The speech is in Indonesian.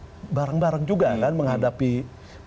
pks bareng bareng juga kan menghadapi hal yang bersama dengan pksnya